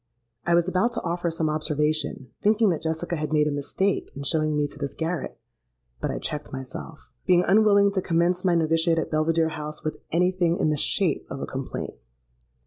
"I was about to offer some observation, thinking that Jessica had made a mistake in showing me to this garret; but I checked myself—being unwilling to commence my noviciate at Belvidere House with any thing in the shape of a complaint.